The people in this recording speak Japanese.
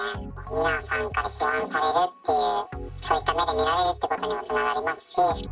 皆さんから批判されるっていう、そういった目で見られるということにもつながりますし。